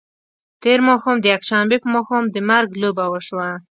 تېر ماښام د یکشنبې په ماښام د مرګ لوبه وشوه.